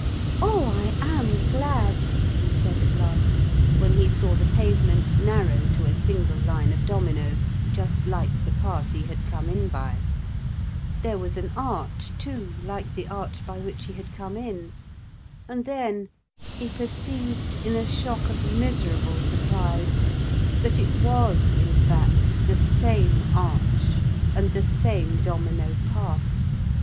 'Oh, I am glad!' he said at last, when he saw the pavement narrow to a single line of dominoes just like the path he had come in by. There was an arch too, like the arch by which he had come in. And then he perceived in a shock of miserable surprise that it was, in fact, the same arch and the same domino path.